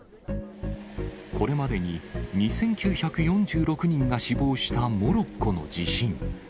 これまでに２９４６人が死亡したモロッコの地震。